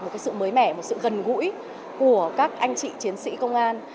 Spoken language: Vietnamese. một cái sự mới mẻ một sự gần gũi của các anh chị chiến sĩ công an